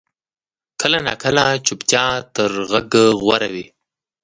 کله ناکله چپتیا تر غږ غوره وي.